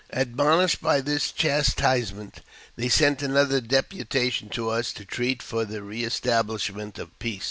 Admonished by this chastisement, they sent another depu tation to us to treat for the re establishment of peace.